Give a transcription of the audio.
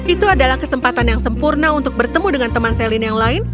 itu adalah kesempatan yang sempurna untuk bertemu dengan teman selin yang lain